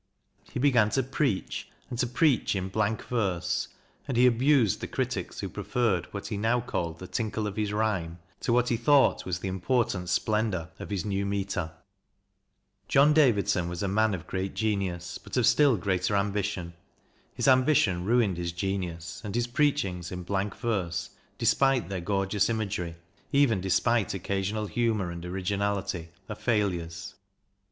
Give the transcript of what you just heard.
He began to preach, and to preach in blank verse ; and he abused the critics who preferred what he now called the tinkle of his rhyme to what he thought was the important splendour of his new metre. John Davidson was a man of great genius, but of still greater ambition. His ambition ruined his genius, and his preachings in blank verse, despite their gorge ous imagery, even despite occasional humour and originality, are failures.